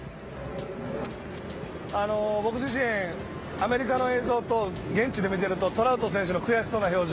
あの、僕自身アメリカの映像と、現地で見ていると、トラウト選手の悔しそうな表情